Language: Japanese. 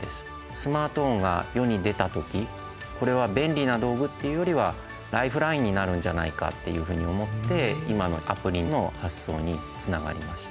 スマートフォンが世に出た時これは便利な道具っていうよりはライフラインになるんじゃないかっていうふうに思って今のアプリの発想につながりました。